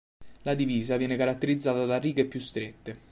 La divisa viene caratterizzata da righe più strette.